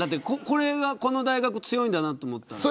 これが、この大学が強いんだなと思ったら。